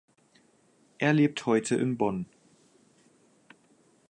Er lebt heute in Bonn.